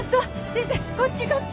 先生こっちこっち。